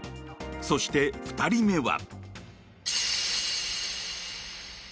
そして、２人目は。